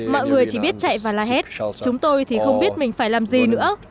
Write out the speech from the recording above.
mọi người chỉ biết chạy vào là hết chúng tôi thì không biết mình phải làm gì nữa